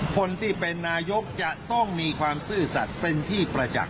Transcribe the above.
คนที่เป็นนายกจะต้องมีความซื่อสัตว์เป็นที่ประจักษ์